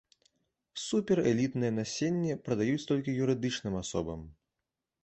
Суперэлітнае насенне прадаюць толькі юрыдычным асобам.